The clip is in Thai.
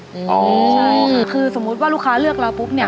ใช่คือสมมุติว่าลูกค้าเลือกเราปุ๊บเนี่ย